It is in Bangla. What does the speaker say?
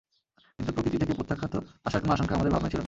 কিন্তু প্রকৃতি থেকে প্রত্যাঘাত আসার কোনো আশঙ্কা আমাদের ভাবনায় ছিল না।